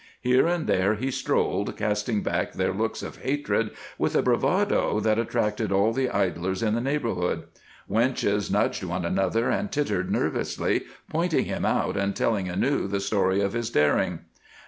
Here and there he strolled, casting back their looks of hatred with a bravado that attracted all the idlers in the neighborhood. Wenches nudged one another and tittered nervously, pointing him out and telling anew the story of his daring.